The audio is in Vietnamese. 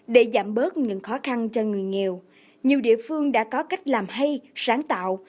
để giảm bớt những khó khăn cho người nghèo nhiều địa phương đã có cách làm hay sáng tạo